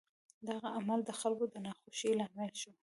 دغه عمل د خلکو د ناخوښۍ لامل شو.